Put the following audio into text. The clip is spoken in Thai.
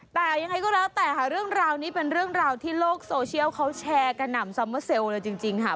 แต่ยังไงก็แล้วแต่ค่ะเรื่องราวนี้เป็นเรื่องราวที่โลกโซเชียลเขาแชร์กระหน่ำซัมเมอร์เซลล์เลยจริงค่ะ